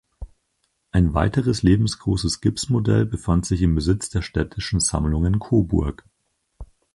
Ein weiteres lebensgroßes Gipsmodell befand sich im Besitz der Städtischen Sammlungen Coburg.